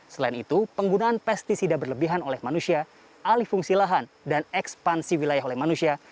selain itu penggunaan pesticida berlebihan oleh manusia alih fungsi lahan dan ekspansi wilayah oleh manusia